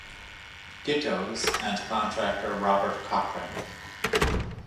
Gittos, and contractor Robert Cochrane.